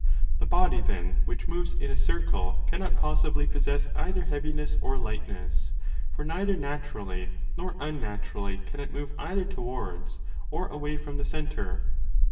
The body, then, which moves in a circle cannot possibly possess either heaviness or lightness. For neither naturally nor unnaturally can it move either towards or away from the centre.